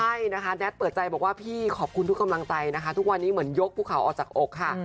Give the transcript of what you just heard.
ใช่นะคะแน็ตเปิดใจบอกว่าพี่ขอบคุณทุกกำลังใจนะคะทุกวันนี้เหมือนยกภูเขาออกจากอกค่ะ